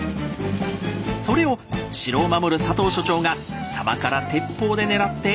それを城を守る佐藤所長が狭間から鉄砲で狙って撃退します。